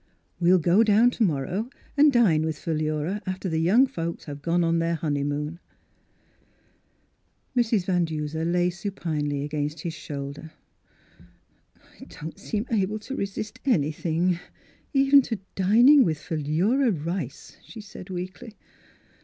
We'll go down to morrow, and dine with Philura after the young folks have gone on their honeymoon." Mrs. Van Duser lay supinely against his shoulder. " I don't seem able to resist anything, even to dining with Philura Rice," she said weakly.